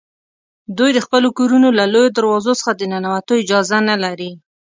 دوی د خپلو کورونو له لویو دروازو څخه د ننوتو اجازه نه لري.